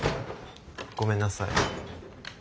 ごめんなさい。